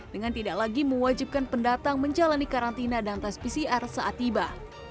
dengan tidak lagi mewajibkan pendatang menjalani karantina dan tes pcr saat tiba